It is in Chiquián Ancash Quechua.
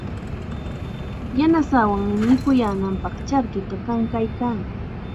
Yanasaawanmi mikuyaanapaq charkita kankayaa.